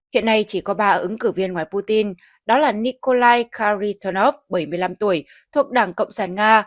hiện nay chỉ có ba ứng cử viên ngoài putin đó là nikolai karitonov bảy mươi năm tuổi thuộc đảng cộng sản nga